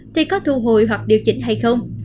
thì có thu hồi hoặc điều chỉnh hay không